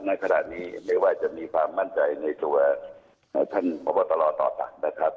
ในขณะนี้ไม่ว่าจะมีความมั่นใจในตัวท่านพบตรต่อต่างนะครับ